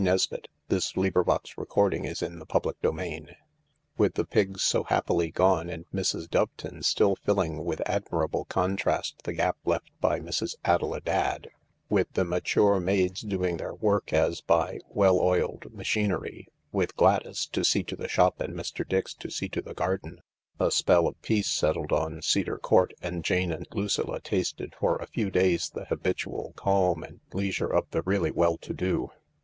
Why, my blessed angel, it's an absolute godsend !" CHAPTER XXII With the Pigs so happily gone, and Mrs. Doveton still filling with admirable contrast the gap left by Mrs. Adela Dadd, with the mature maids doing their work as by well oiled machinery, with Gladys to see to the shop and Mr. Dix to see to the garden, a spell of peace settled on Cedar Court, and Jane and Lucilla tasted for a few days the habitual calm and leisure of the really well to do.